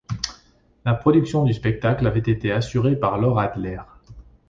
La production du spectacle avait été assurée par Laure Adler.